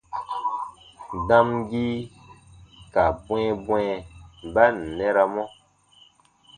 Damgii ka bwɛ̃ɛbwɛ̃ɛ ba ǹ nɛramɔ.